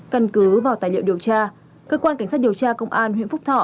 căn cứ vào tài liệu điều tra cơ quan cảnh sát điều tra công an huyện phúc thọ